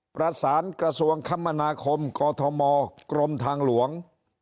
ประสานกระทรวงคมนาคมกอทมกรมทางหลวง